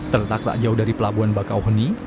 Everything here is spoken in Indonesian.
terletak tak jauh dari pelabuhan bakau honi